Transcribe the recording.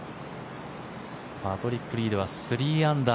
パトリック・リードは３アンダー。